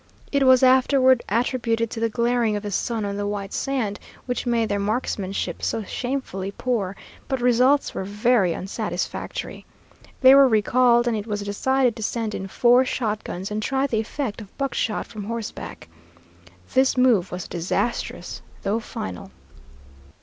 It was afterward attributed to the glaring of the sun on the white sand, which made their marksmanship so shamefully poor, but results were very unsatisfactory. They were recalled, and it was decided to send in four shotguns and try the effect of buckshot from horseback. This move was disastrous, though final.